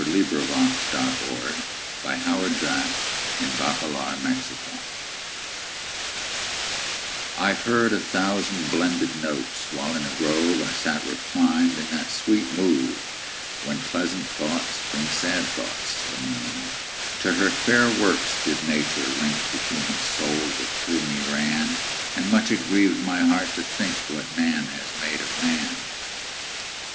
William Wordsworth Lines Written in Early Spring I HEARD a thousand blended notes, While in a grove I sate reclined, In that sweet mood when pleasant thoughts Bring sad thoughts to the mind. To her fair works did Nature link The human soul that through me ran; And much it grieved my heart to think What man has made of man.